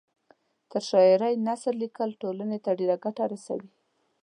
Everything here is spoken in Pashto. تر شاعرۍ نثر لیکل ټولنۍ ته ډېره ګټه رسوي